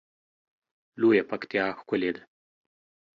لویه پکتیا ښکلی ده